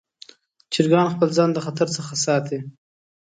چرګان خپل ځان د خطر څخه ساتي.